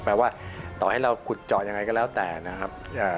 ว่าต่อให้เราขุดเจาะยังไงก็แล้วแต่นะครับ